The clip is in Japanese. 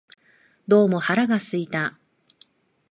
どうも腹が空いた